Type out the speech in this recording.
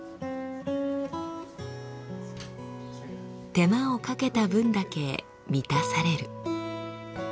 手間をかけた分だけ満たされる。